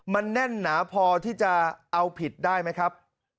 มันแน่นหนาพอที่จะเอาผิดได้ไหมครับ